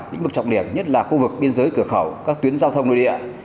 những mực trọng điểm nhất là khu vực biên giới cửa khẩu các tuyến giao thông nội địa